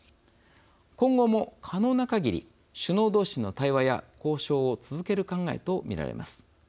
今後も、可能なかぎり首脳同士の対話や交渉を続ける考えと見られます。